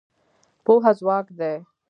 پوهه ځواک دی.